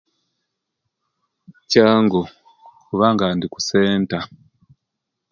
Kyangu kubanga indi kusenta